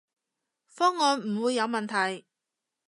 方案唔會有問題